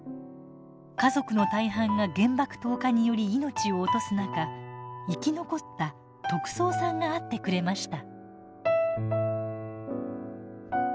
家族の大半が原爆投下により命を落とす中生き残った三さんが会ってくれました。